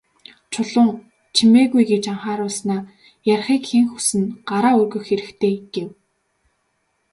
Чулуун «Чимээгүй» гэж анхааруулснаа "Ярихыг хэн хүснэ, гараа өргөх хэрэгтэй" гэв.